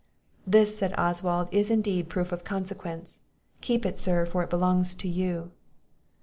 "This," said Oswald, "is indeed a proof of consequence. Keep it, sir, for it belongs to you."